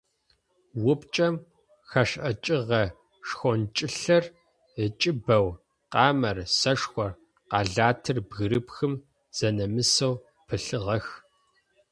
Упкӏэм хэшӏыкӏыгъэ шхончылъэр ыкӏыбэу, къамэр, сэшхор, къэлатыр бгырыпхым зэнэмысэу пылъыгъэх.